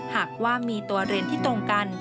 หากว่ามีตัวเรียนที่ตรงกัน